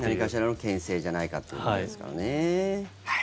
何かしらのけん制じゃないかっていうことですかね。